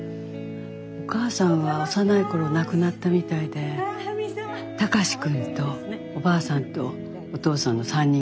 お母さんは幼いころ亡くなったみたいで高志くんとおばあさんとお父さんの３人暮らし。